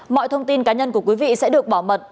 mọi thông tin cá nhân của quý vị sẽ được bảo mật